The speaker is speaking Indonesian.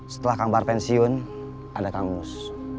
setelah kang bahar pensiun ada kang mus